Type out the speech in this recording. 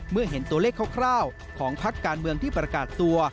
เห็นตัวเลขคร่าวของพักการเมืองที่ประกาศตัว